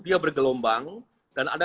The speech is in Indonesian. dia bergelombang dan ada